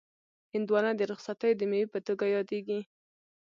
هندوانه د رخصتیو د مېوې په توګه یادیږي.